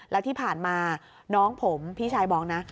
แล้วที่ผ่านมาน้องผมพี่ชายบอกนะ